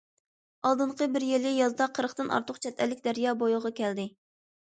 ئالدىنقى بىر يىلى يازدا قىرىقتىن ئارتۇق چەت ئەللىك دەريا بويىغا كەلدى.